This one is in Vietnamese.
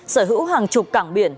sở hữu hàng chục cảng biển